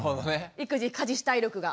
育児家事主体力が。